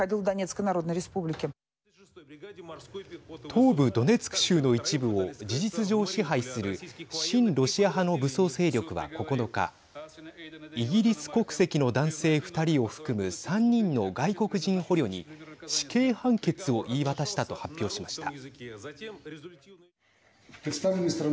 東部ドネツク州の一部を事実上支配する親ロシア派の武装勢力は９日イギリス国籍の男性２人を含む３人の外国人捕虜に死刑判決を言い渡したと発表しました。